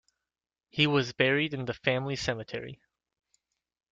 He was buried in the family cemetery.